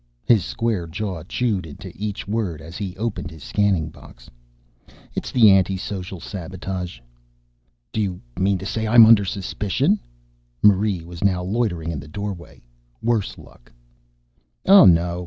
His square jaw chewed into each word as he opened his scanning box. "It's the anti social sabotage." "Do you mean to say I am under suspicion?" Marie was now loitering in the doorway, worse luck. "Oh, no.